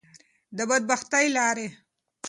د بدبختی لارې.